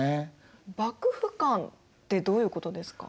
幕府観ってどういうことですか？